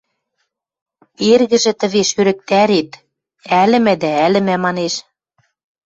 Эргӹжӹ тӹвеш ӧрӹктӓрет «Ӓлӹмӓ дӓ ӓлӹмӓ», – манеш.